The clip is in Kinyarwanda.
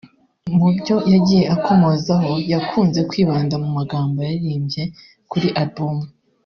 Mu byo yagiye akomozaho yakunze kwibanda mu magambo yaririmbye kuri album